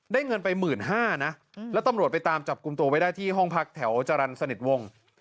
เงินไป๑๕๐๐นะแล้วตำรวจไปตามจับกลุ่มตัวไว้ได้ที่ห้องพักแถวจรรย์สนิทวงศ์